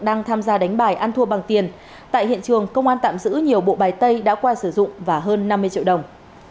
đang tham gia đánh bài ăn thua bằng tiền tại hiện trường công an tạm giữ nhiều bộ bài tay đã qua sử dụng và hơn năm mươi triệu đồng